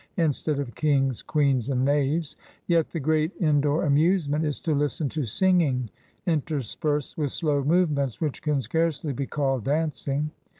instead of kings, queens, and knaves), yet the great in door amusement is to listen to singing interspersed with slow movements which can scarcely be called dancing.